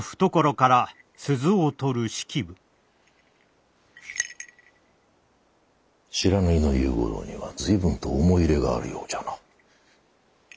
不知火の勇五郎には随分と思い入れがあるようじゃな。